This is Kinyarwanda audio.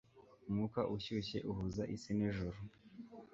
umwuka ushyushye uhuza isi n'ijuru